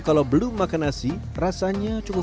kalau belum makan nasi rasanya cukup